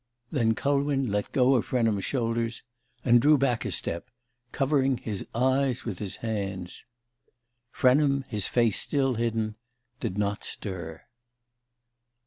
Then Culwin let go of Frenham's shoulders, and drew back a step, covering his eyes with his hands ... Frenham, his face still hidden, did not stir.